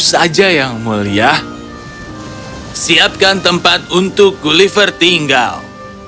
saja yang mulia siapkan tempat untuk gulliver tinggal